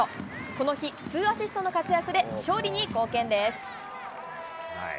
この日、ツーアシストの活躍で勝利に貢献です。